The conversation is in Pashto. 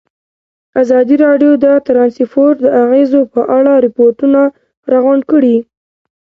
ازادي راډیو د ترانسپورټ د اغېزو په اړه ریپوټونه راغونډ کړي.